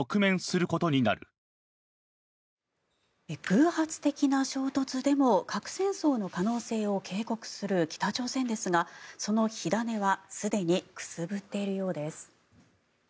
偶発的な衝突でも核戦争の可能性を警告する北朝鮮ですがその火種はすでにくすぶっているようです。